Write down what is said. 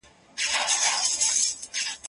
ته ولي اوبه څښې.